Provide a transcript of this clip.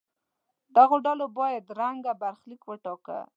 دغو ډلو بل رنګه برخلیک وټاکه.